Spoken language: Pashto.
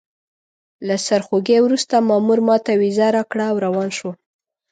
له سرخوږي وروسته مامور ماته ویزه راکړه او روان شوم.